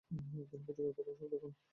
তিনি পত্রিকার প্রথম সম্পাদক হন।